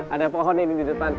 ada pohonnya ini di depan